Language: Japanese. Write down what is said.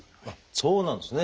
そうなんですね。